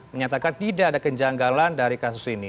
menyatakan tidak ada kejanggalan dari kasus ini